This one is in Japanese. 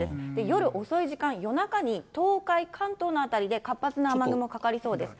夜遅い時間、夜中に、東海、関東の辺りで活発な雨雲がかかりそうです。